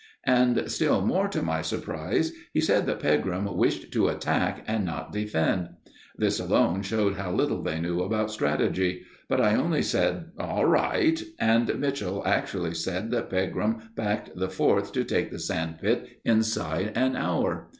And, still more to my surprise, he said that Pegram wished to attack and not defend. This alone showed how little they knew about strategy; but I only said "All right," and Mitchell actually said that Pegram backed the Fourth to take the sand pit inside an hour!